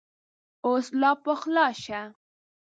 اوس لا پخلا شه !